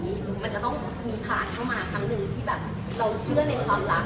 มันจะต้องมีผ่านเข้ามาครั้งหนึ่งที่แบบเราเชื่อในความรัก